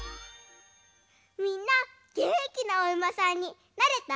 みんなげんきなおうまさんになれた？